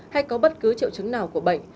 hay có bất cứ triệu trứng nào của bệnh